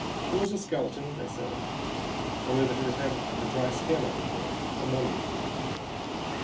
It was a skeleton, they said, only that it had a dry skin all over it. A mummy.